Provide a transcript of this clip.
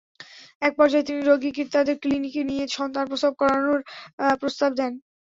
একপর্যায়ে তিনি রোগীকে তাঁদের ক্লিনিকে নিয়ে সন্তান প্রসব করানোর প্রস্তাব দেন।